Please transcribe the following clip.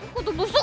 gue tuh busuk